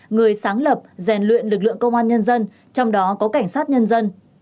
người sáng lập rèn luyện lực lượng công an nhân dân trong đó có cảnh sát nhân dân